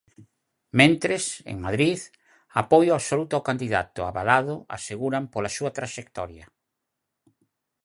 Mentres, en Madrid, apoio absoluto ao candidato, avalado, aseguran, pola súa traxectoria.